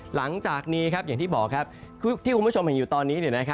หลังจากนี้อย่างที่บอกครับที่คุณผู้ชมเห็นอยู่ตอนนี้